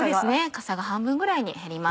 かさが半分ぐらいに減ります。